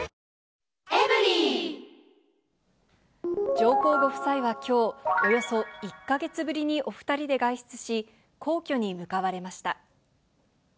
上皇ご夫妻はきょう、およそ１か月ぶりにお２人で外出し、皇居に向かわれました。